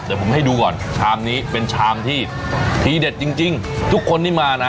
แต่ผมให้ดูก่อนชามนี้เป็นชามที่ทีเด็ดจริงทุกคนที่มานะ